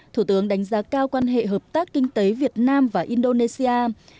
thủ tướng đánh giá cao quan hệ hợp tác kinh tế việt nam và indonesia